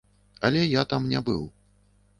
Але я там не быў.